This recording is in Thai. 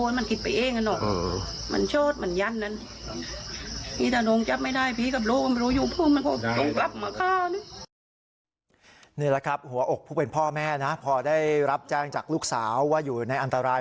นี่แหละครับหัวอกผู้เป็นพ่อแม่นะพอได้รับแจ้งจากลูกสาวว่าอยู่ในอันตราย